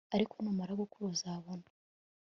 ariko numara gukura uzabona